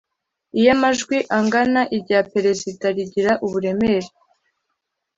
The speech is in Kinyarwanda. Iyo amajwi angana irya Perezida rigira uburemere